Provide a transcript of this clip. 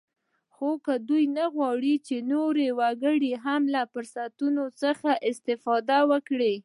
خو دوی نه غواړ چې نور وګړي هم له فرصتونو څخه استفاده وکړي